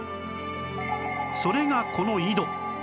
それがこの井戸